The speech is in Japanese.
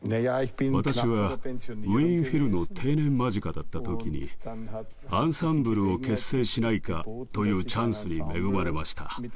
私はウィーン・フィルの定年間近だった時にアンサンブルを結成しないかというチャンスに恵まれました。